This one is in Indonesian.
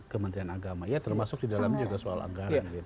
kementerian agama ya termasuk di dalam juga soal anggaran